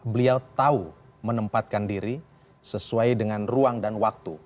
beliau tahu menempatkan diri sesuai dengan ruang dan waktu